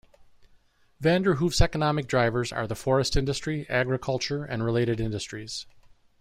Vanderhoof's economic drivers are the forest industry, agriculture, and related industries.